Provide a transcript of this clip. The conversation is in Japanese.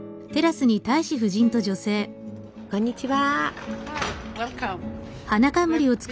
こんにちは。